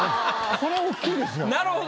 これ大きいですよ。